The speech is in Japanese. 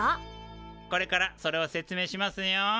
これからそれを説明しますよ。